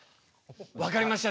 わかりました。